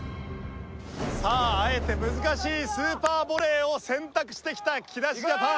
さああえて難しいスーパーボレーを選択してきた木梨ジャパン。